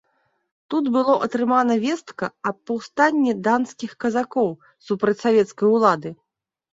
Тут было атрымана вестка аб паўстанні данскіх казакоў супраць савецкай улады.